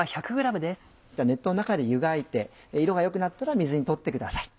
熱湯の中で湯がいて色が良くなったら水にとってください。